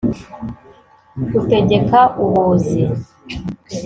Utegeka u Buzi